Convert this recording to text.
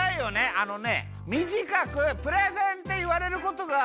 あのねみじかく「プレゼン」っていわれることがおおい